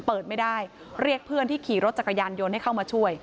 เปิดไม่ได้เรียกเพื่อนที่ขี่รถจักรยานยนต์ให้เข้ามาช่วย